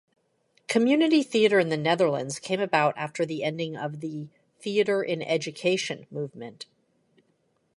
Community theatre in the Netherlands came about after the ending of the "theater-in-education" movement.